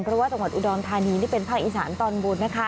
เพราะว่าจังหวัดอุดรธานีนี่เป็นภาคอีสานตอนบนนะคะ